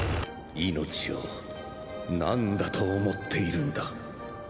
命を何だと思っているんだ。